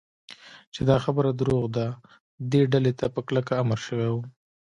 چې دا خبره دروغ ده، دې ډلې ته په کلکه امر شوی و.